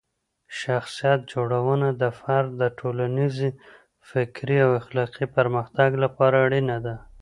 شخصیت جوړونه د فرد د ټولنیز، فکري او اخلاقي پرمختګ لپاره اړینه ده.